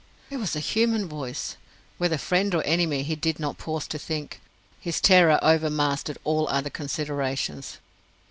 It was a human voice! Whether of friend or enemy he did not pause to think. His terror over mastered all other considerations.